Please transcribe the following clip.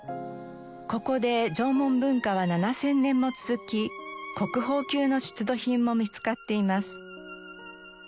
ここで縄文文化は７０００年も続き国宝級の出土品も見つかっています。